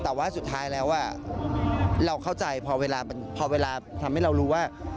แต่ว่าสุดท้ายแล้วเราเข้าใจพอเวลาทำให้เรารู้ว่า